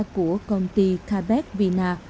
của công ty kabeck vina